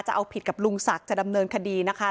จะเอาผิดกับลุงศักดิ์จะดำเนินคดีนะคะ